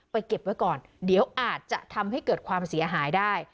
เก็บไว้ก่อนเดี๋ยวอาจจะทำให้เกิดความเสียหายได้